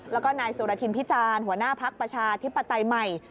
แล้วก็นายสุรทินพิจารณ์หัวหน้าพักประชาธิปไตยใหม่